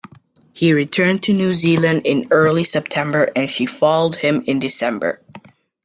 He returned to New Zealand in early September, and she followed him in December.